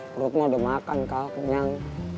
perutmu udah makan kak kenyang